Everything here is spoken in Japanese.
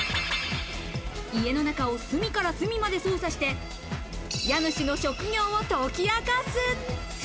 家の中を隅から隅まで捜査して家主の職業を解き明かす。